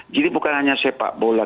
jadi bukan hanya sepak bola